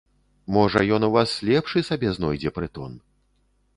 Можа, ён у вас лепшы сабе знойдзе прытон.